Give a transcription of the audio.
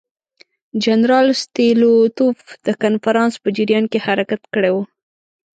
جنرال ستولیتوف د کنفرانس په جریان کې حرکت کړی وو.